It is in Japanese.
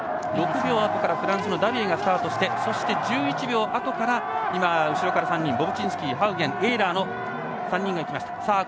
６秒あとからフランスのダビエがスタートしてそして、１１秒あとからボブチンスキー、ハウゲンエーラーの３人が行きました。